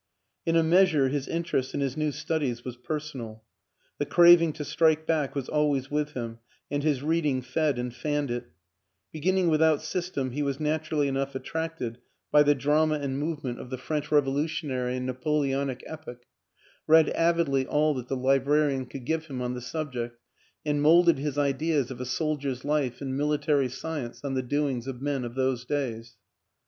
In a measure his interest in his new studies was personal; the craving to strike back was always with him and his reading fed and fanned it; begin ning without system he was naturally enough at tracted by the drama and movement of the French WILLIAM AN ENGLISHMAN 235 Revolutionary and Napoleonic epoch, read avidly all that the librarian could give him on the subject and molded his ideas of a soldier's life and mili tary science on the doings of men of those days.